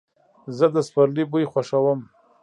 زه د سپرلي بوی خوښوم.